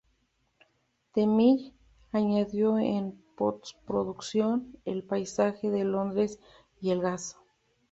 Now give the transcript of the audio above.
The Mill añadió en postproducción el paisaje de Londres y el gas.